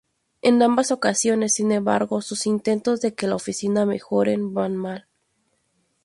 En ambas ocasiones, sin embargo, sus intentos de que la oficina mejore van mal.